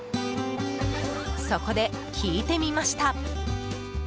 そこで、聞いてみました。